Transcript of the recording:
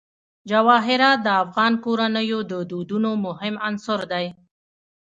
جواهرات د افغان کورنیو د دودونو مهم عنصر دی.